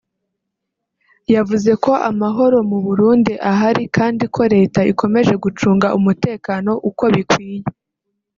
yavuze ko amahoro mu Burundi ahari kandi ko Leta ikomeje gucunga umutekano uko bikwiye